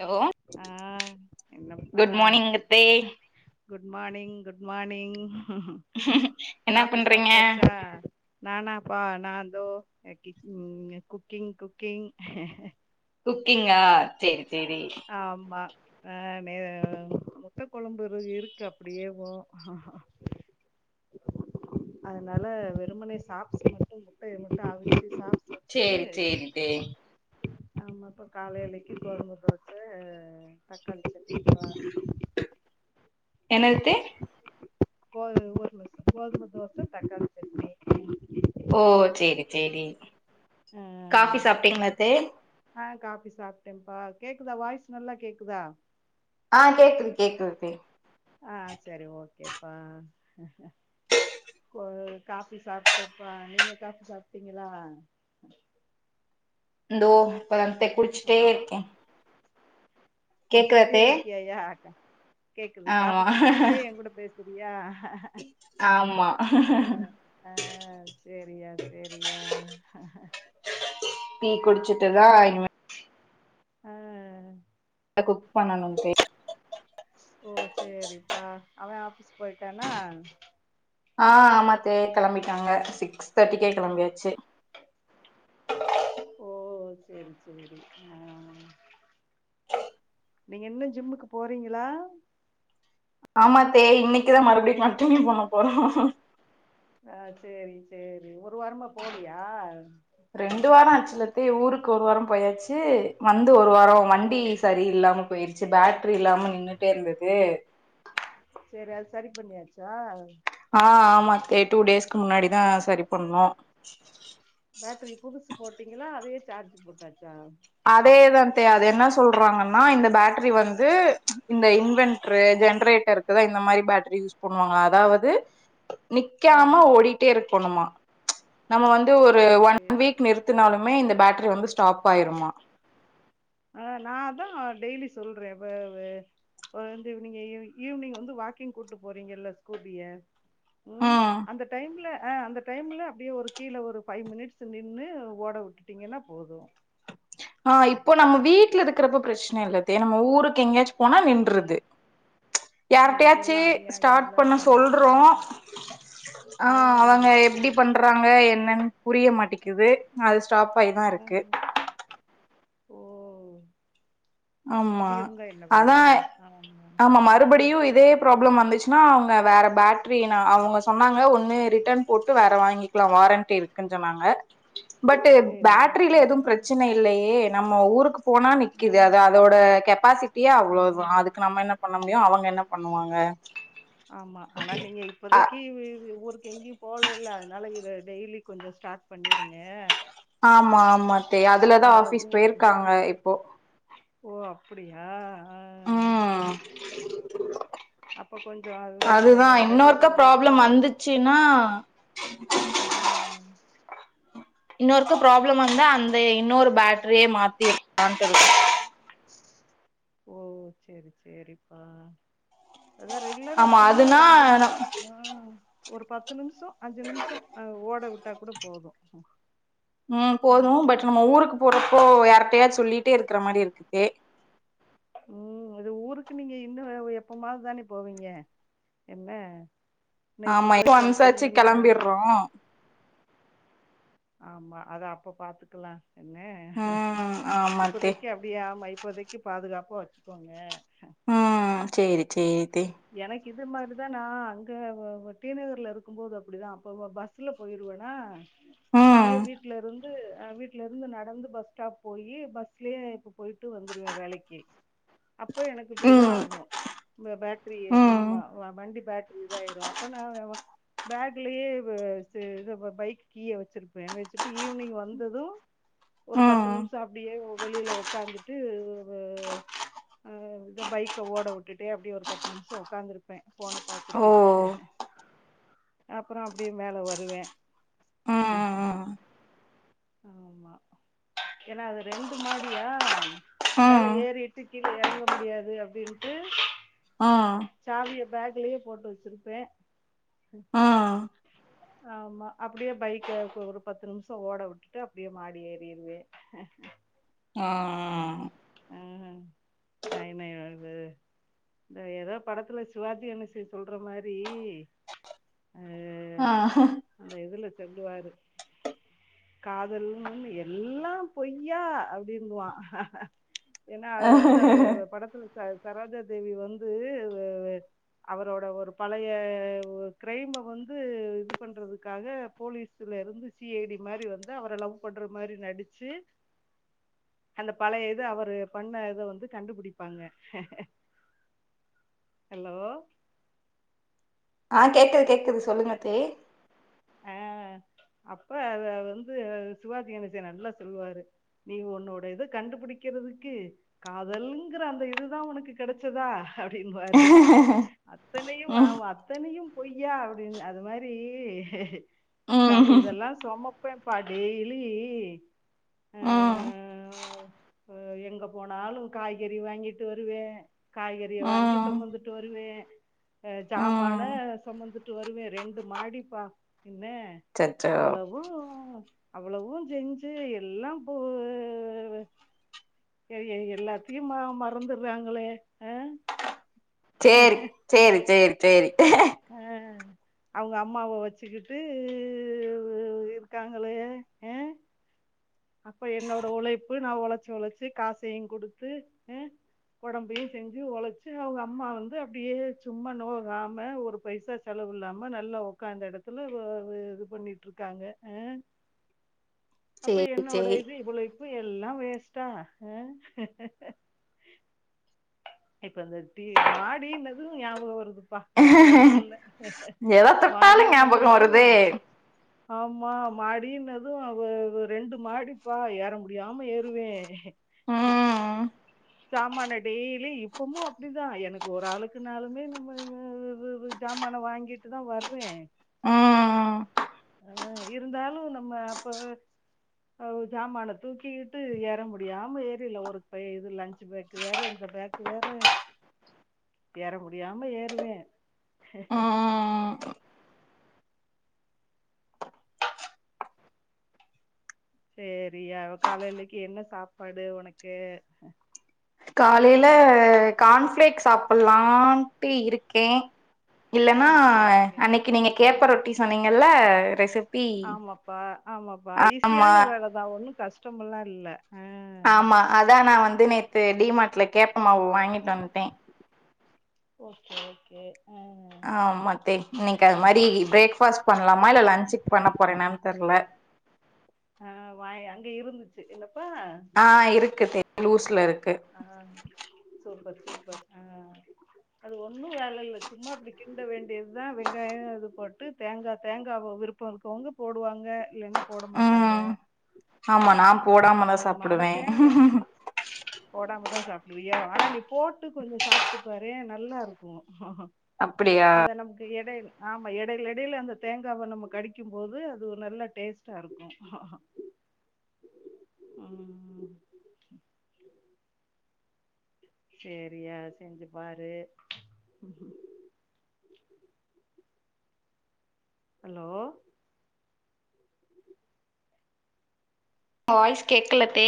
Hello ஆ என்னப்பா good morning அத்தே குட் மார்னிங் குட் மார்னிங் என்ன பண்றீங்க நானப்பா நான் தோ உ குக்கிங் குக்கிங் குக்கிஙா செரி ஆமா ஆ நே முட்ட கொழம்புற இருக்கு அப்படியேவும் [inaudible] அதனால வெறுமனைே சாப்பிச்சு மட்டும் முட்டை மட்டும் அவிச் சாப்ப சேரி சேரி சேரி ஆமாப்ப காலையிலைக்கு கொழம்பு டக் என்னதுத்தே கோ [inaudible] கோதுமை தோசை தக்காளி சட்னி ஓ சேரி சேரி காபி சாப்பிட்டீங்களா அத்தே காபி சாப்புட்டேன்ப்பா கேக்குதா வாய்ஸ் நல்லா கேக்குதா ஆ கேக்குது கேக்குது த்தே ஆ சரி ஓகே கேப்பா [inaudible] கோ காபி சாப்புடேப்பா நீங்க காபி சாப்ட்டீங்களா இந்தோ இப் குடிச்சுட்டே இருக்கேன குடிச்சிக்கிட்டே இருக்கியா யா கேக்குது ஆமா காபி குச்சுட்டே எங் கூட பேச யா ஆமா ஆ ஆ சரியா சரியா ஆ டி குடிச்சுட்டுதான் இ ஆ குக் பண்ணனும் அத்தே [inaudible] ஓ சேரிப்பா அவன் ஆபீஸ் போயிட்டானா ஆ ஆமா அத்தே கிளம்பிட்டாங்க சிக்ஸ் தேட்டிக்கே கிளம்பியாச்சு [inaudible] ம் சரி சரி அ நீங்க இன்னும் ஜிம்முக்கு போறீங்களா ஆமா த்தே இன்னைக்குதான் மறுபடியும் கன்டினியூ பண்ண போறோம் அ சரி சரி ஒரு வாரமா போலயா ரெண்டு வாரம் ஆச்சுலத்தே ஊருக்கு ஒரு வாரம் போயாச்சு வந்து ஒரு வாரம் ஓ வண்டி சரில்லாம போயிரு பேட்டரி இல்லாம நின்னுட்டே இருந்தது சரி அது சரி பண்ணியாச்சா ஆ ஆமா த்தே டூ டேஸ்க்கு முன்னாடிதான் சரி பண்ணும் பாட்ரி புதுசு போட்டீங்களா அதே சார்ஜ் போட்டாச்சா அதேதாத்தே அது என்ன சொல்றாங்கன்னா இந்த பாட்ரி வந்து இந்த இன்வென்டரு ஜென்ரேட்டர்க்குதா இந்த மாரி பாட்ரி யூஸ் பண்ணுவாங்களா அதாவது ஆ நிக்காம ஓடிட்டே இருக்கணுமா நம்ம வந்து ஒரு ஒன் ஓகே வீக் நிறுத்துனாலுமே இந்த பட் வந்து ஸ்டாப் ஆயிருமா ஆ நா அதா டேலி சொல்ற வ வ இப்ப வந்து நீங்க ஈவ்னிங் வந்து வாக்கிங் கூட்டு போறீங்கல்ல ஸ்கூபிய ம் அந்த டைம்ல அ அந்த டைம்ல அப்டியே ஒரு கீழ ஒரு ஃபைவ் மினிட்ஸ் நின்னு ஓட உட்டுட்டீங்கனா போது ஆ இப்போ நம்ம வீட்ல இருக்குறப்போ பிரச்ன இல்லதே நம்ம ஊருக்கு எங்கயாச்சு போனா நின்றுது ஓ யார்ட்டயாச்சு இதெல்லா ஸ்டார்ட் அநியாயம்ல பண்ண சொல்றோ ஆ ஆ அவங்க எப்டி பண்றாங்க என்னன் புரிய மாட்டிக்குது அல்ஸ் ஸ்டாப் ஆயி தா ஆ இருக்கு ஓ ஆமா இப்டி இருந்தா என்ன அதா பண்றது ஆமா ம் மறுபடியு இதே ப்ராப்ளம் வந்துச்சு னா அவங்க வேற பாட்ரி நா அவங்க சொன்னாங்க ஒன்னு ரிட்டன் போட்டு வேற வாங்கிக்லா வாரண்டி இருக்குன் சொன்னாங்க பட்டு சேரி பாட்ரில ஆ எதுவு பிரச்சன இல்லையே நம்ம ஊருக்கு போனா நிக்கு ஆ அது அதோட கெப்பாசிட்டியே அவ்ளோதா ம். அதுக்கு நம்ம என்ன பண்ண அவங்க என்ன பண்ணுவாங்க ஆமா ஆனா நீங்க அ இப்பதைக்கு ஊரு எங்கயு போலல்ல அதனால இத டெய்லி கொஞ்சோ ஸ்டாட் ஆமா ஆமா தே அ அதுலதா ஆபீஸ் ஊருக்கு போய்ருக்காங்க இப்போ ஓ அப்டியா ஆ ம் அப்ப கொஞ்சம் அதுதான் அதுதா கொஞ்சம் ரெகுலரா இன்னொருக்கா ப்ராப்ளம் ஓட்டுங்க. வந்துச்சுனா ம் இன்னொருக்க ப்ராப்ளம் வந்தா அந்த இன்னொரு பேட்ரியே மாத்திர்கா சொல்ற ஓ சேரி சேரிப்பா அதா ரெகுலரா ஆமா சும்மா அதுனா ஒரு அஞ்சு நிம்ஷோ ஆ ஒரு பத்து நிம்ஷோ அஞ்சு நிமிஷோ அ ஓட விட் டா கூட போது ம் போது பட் நம்ம ஊருக்கு போறப்போ யார் கிட்டயா சொல்லிட்டே இருக்கிற மாரி இருக்குதே உம் இது ஊருக்கு நீங்க இன்னும் எப்போமாவதுதானே போவீங்க என்ன என்ன இப்ப ஆமா [unintelligible] போயிட்டு ஒன்ஸ் ஆச்சி வந்துட்டீங்கன்னா கிளம்பிர்றோ ஆமா அத அப்ப பாத்துக்கலாம் என்ன? உம் ஆமா த்தே இப்பதைக்கு பாதுகாப்பா வச்சுக்கோங்க ஆ சேரி சேரி தே எனக் இது மாதிரி தா நா அங்க ஓ டீநகர்ல இருக்கும் போது அப்படிதா அப்போ பஸ்ல போயிடுவனா ம் அப்டியே வீட்டுல இருந்து ஹ வீட்டுல இருந்து நடந்து பஸ் ஸ்டாப் போயி பஸ்லயே இப்ப போயிட்டு வந்துருவே வேலைக்கு அப்போ எனக்கு இப்படி தான் ம் ஆகு பா அப்படியே ம் ஆமா வண்டி பேட்டரி இதாயிடும் அப்ப நான் பேக்லயே வ ச இது பைக் கீய வச்சிருப்பே வச்சுட்டு ஈவினிங் வந்தது ஒரு பத்து ம் நிமிஷம் அப்படியே வெளியில உக்காந்துட்டு ஆ இத பைக்க ஓட விட்டுட்டே அப்படிய ஒரு பத்து நிமி அஞ்சு நிமிஷம் உ்காந்துருப்பே ஃபோன ஓ பார்த்துட்டு அப்பற அப்படியே மேல வருவே ம் அ ம் ஏன்னா அது ரெண்டு மாடியா ம் மேல ம் ஏறிட்டு கீழே எறங்க முடியாது அப்படின்ட்டு ஆ சாவிய பேக்லயே போட்டு வச்சிருப்பேன் ம் ஆ ஆமா அப்படியே பைக்க ஒரு பத்து நிமிஷ ஓட விட்டுட்டு அப்படியே மாடி ஏறிடுவே ஆஹ் ஆஹ் நை நய் அது ஏதோ படத்துல சிவாஜி கணேச சொல்ற மாரி அ ஆஹ் அந்த இதுல சொல்லுவாரு காதல்னு எல்லாம் பொய்யா அப்டிங்குவா ஆஹ அஹ் அஹா ஏன்னா அதுல வந்து அந்த படத்துல சரோஜாதேவி வந்து அவரோட ஒரு பழைய க்ரைம்ம வந்து இது பண்றதுக்காக போலீஸ்ல இருந்து சி ஐ டி மாதிரி வந்து அவர லவ் பண்ற மாரி நடிச்சு அந்த பழைய இது அவரு பண்ண இத வந்து கண்டுபிடிப்பாங்க ஹலோ ஆஹ் கேக்குது கேக்குது சொல்லுங்க தே ஆஹ் அப்ப அத வந்து சிவாஜிகணேசன் நல்லா சொல்லுவாரு நீ ஒன்னோட இத கண்டுபிடிக்கறதுக்கு காதல்ங்கிற அந்த இதுதா உனக்கு கிடைச்சுதா அப்டிம்பாரு அத்தனையும் அ ம் அத்தனையும் பொய்யா அப்படின்னு அது மாதிரி சாமி ம் இதெல்லாம் சொமப் இப்பப்பா டெய்லி ம் ஆஹ் எங்க போனாலும் காய்கறி வாங்கிட்டு வருவேன் காய்கறிய வாங்கி ம் சுமந்துட்டு வருவேன் ஜாமன ம் சுமந்துட்டு போய்ட்டு வருவேன் ரெண்டு மாடிப்பா என்ன அச்சச்சோ அவ்வளவூ. அவ்வளவும் செஞ்சு எல்லாம் போ எல்லாத்தையும் மறந்துடுறாங்களே ஹே. சேரி சேரி சேரி சேரி. அஹ் அவங்க அம்மாவ வச்சுக்கிட்டு இருக்காங்களே அஹ. அப்ப என்னோட உழைப்பு நா ஒழச்சு ஒழச்சு காசையுங் குடுத்து ஆ ஒடம்பையு செஞ்சு ஒழச்சு அவ்ங்க அம்மா வந்து அப்டியே சும்மா நோகாம ஒரு பைசா செலவுல்லாம நல்லா உக்காந்த எடத்துல வ வ இது பண்ணிட்ருக்காங்க ஆ இப்ப சேரி என்னோட சேரி இது இவ்ளோ ப்பு எல்லா வேஸ் ட்டா ஆ இப்ப வந்துட்டு மாடீன்னது ஞாபகொ வருது ப்பா வேற ஒண்ணு இல்ல எத தொட்டாலு மாடீன்னது ஞாபகம் வருதே ஆமா மாடீன்னது அவ அவ ரெண்டு மாடிப்பா ஏற முடியாம ஏறுவே ம் சாமான டெய்லி க்குமோ அப்டிதா எனக்கு ஒரு ஆளுக்குனாலுமே நம்ம [unintelligible] சாமான வாங்கிட்டு தா வர்றே ம் ம் அ இருந்தாலு நம்ம அப்ப ஆவ ஜாமான தூக்கிக்யிட்டு ஏற முடியாம ஏறில ஒரு பை இது லன்ச்சு பேக்கு வேற இந்த பேக்கு வேற ஏற முடியாம ஏறுவே ம் சேரியா காலையிலக்கி என்ன சாப்பாடு ஒனக்கு காலையில கார்ன்ஃப்ளேக் சாப்புல்லாம்ட்டு இருக்கே இல்லன்னா ஓகே ஓகே அன்னக்கி நீங்க கேப்ப ரொட்டி சொன்னீங்கல்ல ரெசிப்பி ஆமாப்பா ஆமா டமுல்லா இல்ல ஆமா அதா நா வந்து நேத்து டீமாட்ல கேப்பமாவு வாங்கித் வன்ட்டே ஓகே ஓகே அ ஆமாத்தே இன்னக்கி அது மாரி பிரேக்ஃபாஸ்ட் பண்லாமா இல்ல லன்ச்சுக் பண்ண போறேனான் தெர்ல ஆ வாய் அங்க இருந்துச்சு இல்லப்பா ஆ இருக்கு தே லூஸ்ல இரு ஆ சூப்பர் சூப்பர் ஆ அது ஒண்ணு வேல இல்ல சும்மா அப்டி கிண்ட வேண்டியதுதா வெங்காய இது போட்டு தேங்கா தேங்காவ விருப்போயிருக்கறவங்க போடுவாங்க ங்க இல்லன்னா போட மாட்டாங்க ம் ஆமா இல்ல நா போடாமதா ஆ ஆமா ஆனா சாப்புடுவே தேங்கா போடாமதா சாப்பிடுவியோ ஆனா நீ போட்டு கொஞ்சோ சாப்ட்டுப்பாரு நல்லா இருக்கு அப்டியா அது நமக்கு எடை ஆமா எடைல எடைல அந்த தேங்காவ நம்ம கடிக்கும்போது அது நல்ல டேஸ்ட்டா இருக்கு ஹஹாஹ. ம் சேரியா செஞ்சு பாரு ஹ்ம் ஹலோ வாய்ஸ் கேக்லத்தே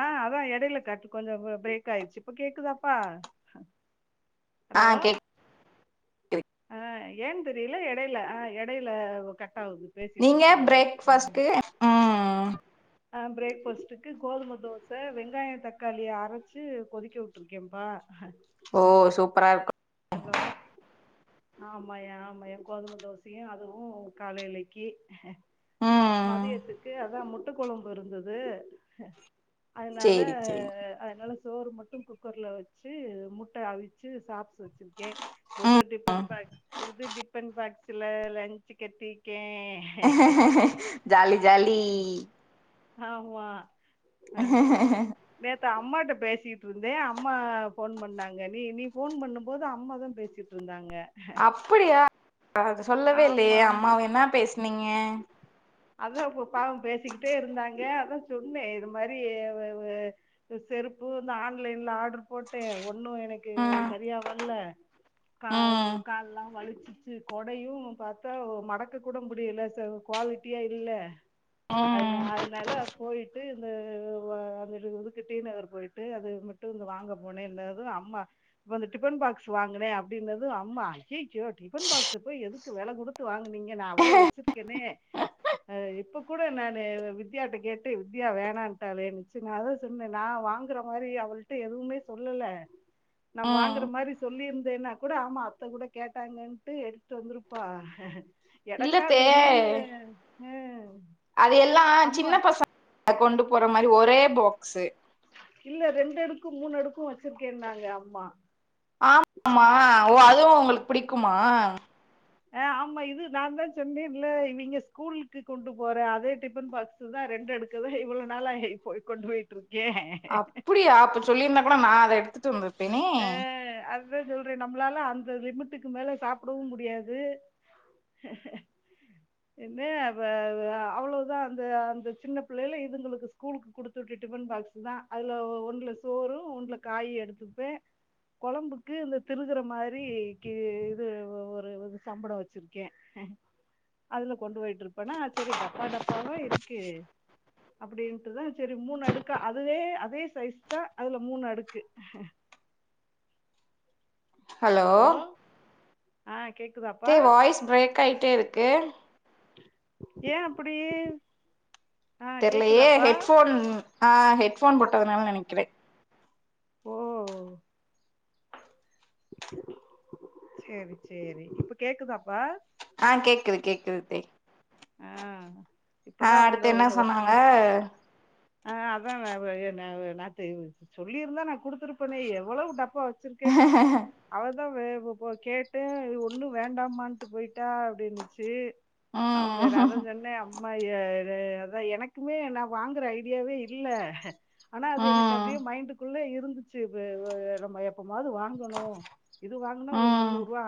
ஆ அதா எடைல கட்டு கொஞ்சோ பிரேக் ஆயிருச்சு இப்ப கேக்குதாப்பா ஆ ஹலோ கேக் ஏன் தெரில எடைல எடைல கட் ஆகுது பேசிட்டு நீங்க இருக்கும் போதே பிரேக்ஃபாஸ்ட்டு்க்கு ம் பிரேக்ஃபாஸ்ட்டு்க்கு கோதும தோச வெங்காயோ தக்காளிய அரச்சு கொதிக்க விட்டுருக்கேன்ப்பா ஓ சூப்பரா இருக்கு ஹலோ ஆமாயா ஆமாயா கோதுமை தோசையு அதுவு காலைலக்கு ம் மதியத்துக்கு அதா மு முட்டு குழம்பு இருந்தது. அதனால சேரி சேரி அதனால சோறு மட்டும் குக்கரில் வச்சு முட்டை அவிச்சு சாப்பிட் க்கேன் புது டிபன் ம் பாக்ஸ் புது டிபன் பாக்ஸ் லன் லஞ்ச் கட்டிருக்கேன். ஹஹ ஜாலி ஜாலி. ஆமா. ஆ ஹ ஹ நேத்து அம்மாட்ட பேசிட்டிருந்தேன் அம்மா போன் பண்ணாங்க நீ நீ போன் பண்ணும் தா போது அம்மாதா பேசிட்டுருந்தாங்க அப்படியா அது சொல்லவே ஆமா இல்லையே ஆமா அம்மாவ என்ன பேசுனீங்க அதான் பாவம் பேசிக்கிட்டே இருந்தாங்க அதான் சொன்னே இது மாதிரி செருப்பு இந்த ஆன்லைன்ல ஆர்டர் போட்டு இன்னும் எனக்கு ம் சரியா வர்ல கால் ம் காலெலாம் வலிச்சு கொடையு பார்த்தா மடக்க கூட முடியல குவாலிட்டியா இல்ல அது ம் அதனால போயிட் ட்டு இந்த வ அத இதுக்கு டீநகர் போயிட்டு அது மட்டு அங்க வாங்க போனேன்னதூ அம்மா ப அந்த டிபன்பாக்ஸ் வாங்குனே அப்டின்னன அம்மா அய்யய்யோ டிஃபன் பாக்ஸ் ச போய் எதுக்கு வெல குடுத்து வாங்குனீங்க நா அவ்வளோ வெச்சிர்க்கேனே ஆ இப்போக் கூட நானு வித்யாட்ட கேட்டு வித்யா வேணான்ட்டாலேனுச்சு நா அதா சொன்னே நா வாங்குற மாரி அவள்ட்ட எதுவ்மே சொல்லல நா ம் வாங்குற மாரி சொல்லியிருந்தேனா கூட ஆமா அத்தக்கூட கேட்டாங்கன்ட்டு எடுத் து வந்துருப்பா எனக்கா இல்லத்தே திடீர்னு ஏ அது எல்லா சின்ன பசங்க கொண்டு போற மாரி ஒரே பாக்ஸு இல்ல ரெண்டு அடுக்கு மூணு அடுக்கும் வச்சுருக்கேன்னாங்க அம்மா ஆமா ஆமா ஓ அதுவும் அவொங்களுக்கு பிடிக்குமா ஆஹ் ஆமா இது நான் தா சொன்னேல இவெங்க ஸ்கூலுக்கு கொண்டு போற அதே டிஃபன் பாக்ஸ தான் ரெண்டு அடுக்கத இவ்வளோ நாள கொண்டு போயிட்டு இருக்க அப்படியா அப்ப சொல்லிருந்தா கூட நான் அதை எடுத்து [unintelligible] பனே சொல்றே நம்மளால அந்த லிமிட்டுக்கு மேல சாப்புடவு முடியாது என் அவ்ளோதா அந்த அந்த சின்ன பிள்ளைல இதுங்களுக்கு ஸ்கூலுக்கு குடுத்து விட்ட டிபன் பாக்ஸ் தான் அதுல ஒன்ல சோறு ஒன்ல காயும் எடுத்துப்பே கொழம்புக்கு இந்த திருகுற மாரி கி இது ஒரு ஒரு சம்படம் வச்சிருக்கே அதுல கொண்டு போயிட்டு இருக் னா சரி டப்பா டப்பாவா இருக் க்கு அப்டின்ட்டுதா சரி மூணு அடுக்கா அதுவே அதே சைஸ் தான் அதுல மூணு அடுக்கு ஹலோ ஆ தே கேக்குதாப்பா வாய்ஸ் ப்ரேக் ஆயிட்டே இருக்கு ஏன் அப்படி ஆ தெர்லயே ஏ கேக்குதாப்பா ஹெட்ஃபோன் ஆ ஹெட் போன் போட்டதுனால நெனைக்கிறேன் ஓ [inaudible] சேரி சேரி இப்ப கேக்குதாப்பா ஆ கேக்குது கேக்குது அத்தே ஆ ஆ இப்பதான் அடுத்து என்ன சொன்னாங்க ஆஹ் அதான் நாத்து சொல்லியிருந்தா நான் குடுத்தருப்பனே எவ்வளவு ப்போ வச்சிருக்கேன்னு அவ கேட்டேன் அது ஒன்னும் வேண்டாமான்ட்டு போயிட்டா அப்படின்னுச்சு அவங்கற ம் அதது சொன்னே ஆ அதா எனக்குமே நான் வாங்குற ஐ டியாவே இல்ல ஆனா அது எனக்கு ம் அப்படியே மைண்டுக்குள்ள இரு இருந்துச்சு நம்ம எப்ப எப்பவாது வாங்கணும் இது வாங்கனா ஒரு ம் முன்னூறு ரூபா